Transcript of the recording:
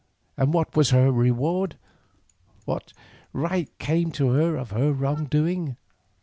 And what was her reward, what right came to her of her wrongdoing?